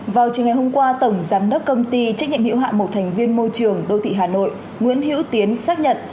vào chiều ngày hôm qua tổng giám đốc công ty trách nhiệm hiệu hạn một thành viên môi trường đô thị hà nội nguyễn hữu tiến xác nhận